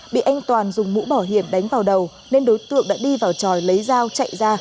bị anh toàn dùng mũ bảo hiểm đánh vào đầu nên đối tượng đã đi vào tròi lấy dao chạy ra